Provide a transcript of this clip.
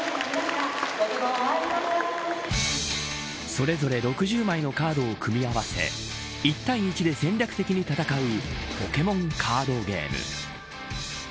それぞれ６０枚のカードを組み合わせ一対一で戦略的に戦うポケモンカードゲーム。